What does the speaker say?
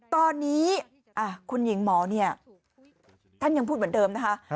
ตอนนี้คุณหญิงหมอเนี่ยท่านยังพูดเหมือนเดิมนะคะ